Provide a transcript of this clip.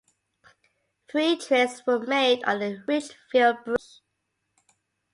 Three trips were made on the Ridgefield Branch.